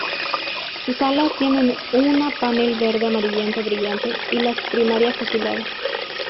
Sus alas tienen una panel verde amarillento brillante, y las primarias azuladas.